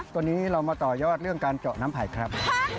ตัวนี้เรามาต่อยอดเรื่องการเจาะน้ำไผ่ครับ